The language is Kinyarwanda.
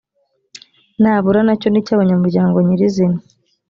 nabura nacyo ni icy abanyamuryango nyirizina